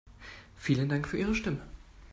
Vielen Dank für Ihre Stimme.